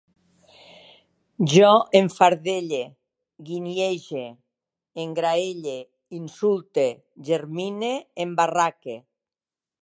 Jo enfardelle, guinyege, engraelle, insulte, germine, embarraque